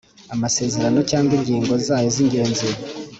Amasezerano cyangwa ingingo zayo z ingenzi